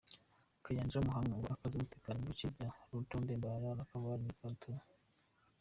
Kayanja Muhanga ngo akaze umutekano mu bice bya Lyantonde, Mbarara, Kabale na Gatuna.